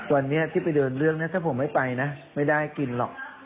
วันนี้ที่ไปเดินเรื่องนะถ้าผมไม่ไปนะไม่ได้กินหรอก